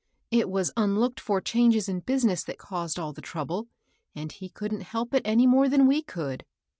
It was unlooked for changes in business that caused all the trouble, and he couldn't help it any more than we could."